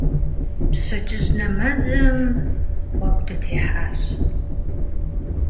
Пщэдджыжь нэмэзым гъуэгу дытехьащ.